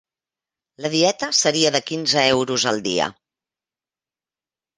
La dieta seria de quinze euros al dia.